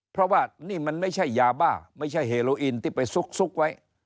เพราะว่านี่มันไม่ใช่ยาบ้าไม่ใช่เฮโลอินที่ไปซุกไว้